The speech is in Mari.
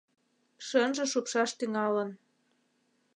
Шӧнжӧ шупшаш тӱҥалын».